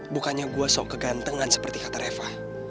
bukannya gua sok kegantengan seperti kata reva